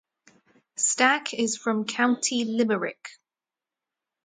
Stack is from County Limerick.